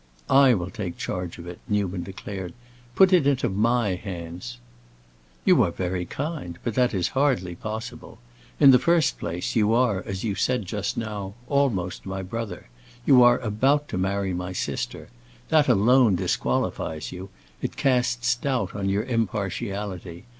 "I will take charge of it," Newman declared. "Put it into my hands." "You are very kind, but that is hardly possible. In the first place, you are, as you said just now, almost my brother; you are about to marry my sister. That alone disqualifies you; it casts doubts on your impartiality.